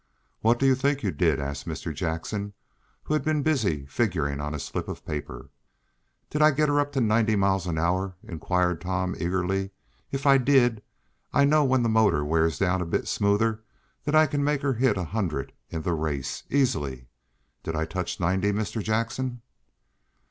"What do you think you did?" asked Mr. Jackson, who had been busy figuring on a slip of paper. "Did I get her up to ninety miles an hour?" inquired Tom eagerly. "If I did, I know when the motor wears down a bit smoother that I can make her hit a hundred in the race, easily. Did I touch ninety, Mr. Jackson?"